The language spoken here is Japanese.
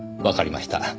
わかりました。